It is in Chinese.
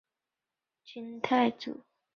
金太祖天辅七年被女真夺得。